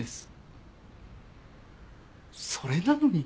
それなのに。